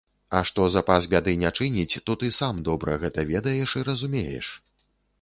А што запас бяды не чыніць, то ты сам добра гэта ведаеш і разумееш.